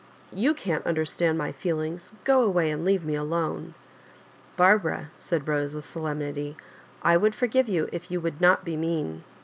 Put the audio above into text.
You can't understand my feelings— g go away and leave me alone." "Barbara," said Bose^ with solemnity, "I would forgive you if you would not be mean.